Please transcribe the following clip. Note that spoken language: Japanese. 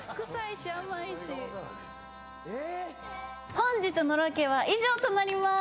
本日のロケは以上となります。